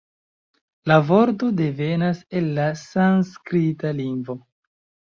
La vorto devenas el la sanskrita lingvo.